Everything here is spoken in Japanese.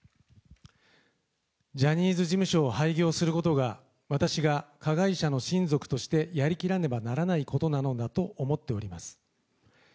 ジャニーズ事務所を廃業することが、私が加害者の親族としてやりきらねばならないことなのだと思っております。